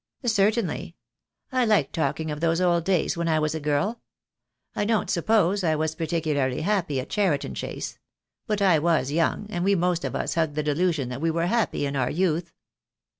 "Certainly. I like talking of those old days when I was a girl. I don't suppose I was particularly happy at Cheriton Chase; but I was young, and we most of us hug the delusion that we were happy in our youth.